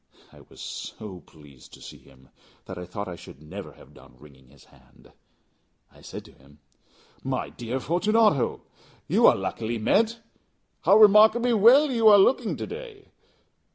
I was so pleased to see him, that I thought I should never have done wringing his hand. I said to him "My dear Fortunato, you are luckily met. How remarkably well you are looking to day!